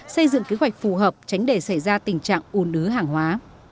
xây dựng kế hoạch phù hợp tránh để xảy ra tình trạng u nứ hàng hóa